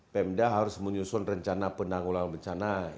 pemda harus menyusun rencana penanggulangan bencana